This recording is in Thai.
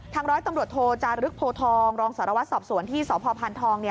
ร้อยตำรวจโทจารึกโพทองรองสารวัตรสอบสวนที่สพพานทอง